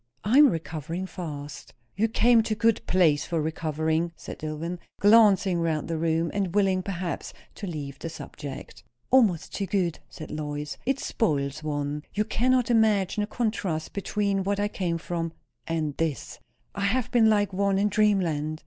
"I am recovering fast." "You came to a good place for recovering," said Dillwyn, glancing round the room, and willing, perhaps, to leave the subject. "Almost too good," said Lois. "It spoils one. You cannot imagine the contrast between what I came from and this. I have been like one in dreamland.